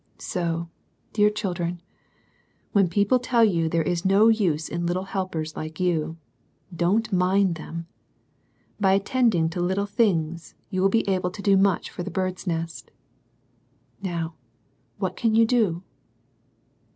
So, dear children, when people tell you there is no use in little helpers like you, don't mind them. By attending to lUtle things^ you will be able to do much for the " Bird's Nest." Now what can you do